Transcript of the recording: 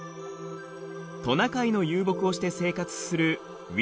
トナカイの遊牧をして生活するウィルタ。